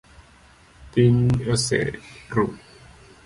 Piny oseru.